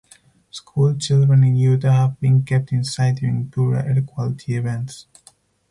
School children in Utah have been kept inside during poor air quality events.